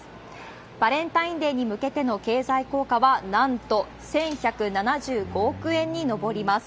バレンタインデーに向けての経済効果は、なんと１１７５億円に上ります。